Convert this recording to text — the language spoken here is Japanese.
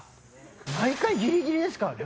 毎回ギリギリですからね？